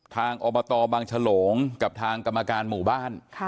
อบตบางฉลงกับทางกรรมการหมู่บ้าน